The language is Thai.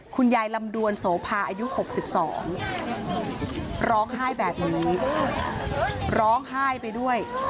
คุณยายลำดวนโสภาอายุหกสิบสองร้องไห้แบบนี้ร้องไห้ไปด้วย